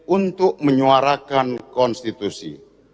untuk menyuarakan konstitusi